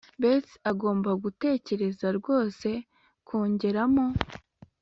Bets agomba gutekereza rwose kongeramo